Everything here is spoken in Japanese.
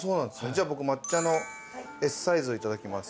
じゃあ僕抹茶のＳサイズいただきます。